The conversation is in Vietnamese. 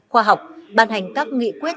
khoa học ban hành các nghị quyết